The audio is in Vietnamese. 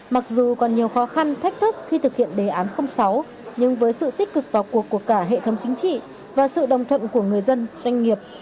mặc dù còn nhiều khó khăn thách thức khi thực hiện đề án sáu nhưng với sự tích cực vào cuộc của cả hệ thống chính trị và sự đồng thuận của người dân doanh nghiệp